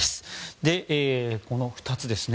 この２つですね。